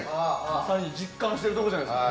まさに実感してるところじゃないですか。